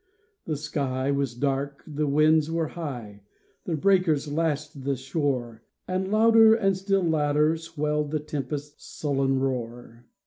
The sky was dark, the winds were high, The breakers lashed the shore, And louder and still louder swelled The tempest's sullen roar.